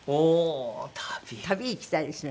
旅行きたいですね。